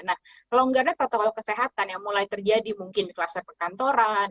nah kelonggaran protokol kesehatan yang mulai terjadi mungkin di kluster perkantoran